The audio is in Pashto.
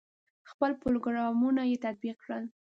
خپل پروګرامونه یې تطبیق کړل.